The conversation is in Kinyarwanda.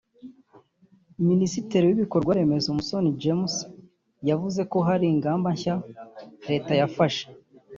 Minisitiri w’ibikorwaremezo Musoni James yavuze ko hari ingamba nshya Leta yafashe